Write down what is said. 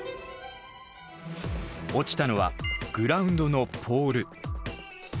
落ちたのはグラウンドのポール。